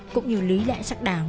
cũng như lý lẽ sắc đáng